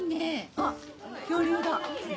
あっ恐竜だ！